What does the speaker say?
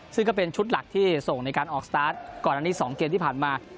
ซึ่งก็เป็นชุดหลักที่ส่งในการออกสตาร์ทก่อนอันนี้๒เกมที่ผ่านมา